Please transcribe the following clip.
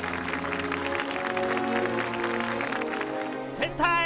センターへ！